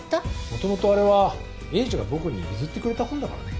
もともとあれは栄治が僕に譲ってくれた本だからね。